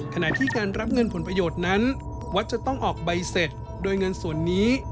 ขณะที่การรับเงินผลประโยชน์นั้นวัดจะต้องออกใบเสร็จโดยเงินส่วนนี้